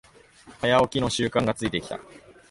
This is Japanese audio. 早起きの習慣がついてきた